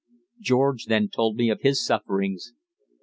George then told me of his sufferings.